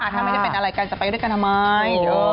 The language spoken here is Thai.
ถ้าไม่ได้เป็นอะไรกันจะไปด้วยกันทำไม